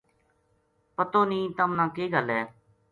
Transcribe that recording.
پتو نیہہ تمنا کے گل ہے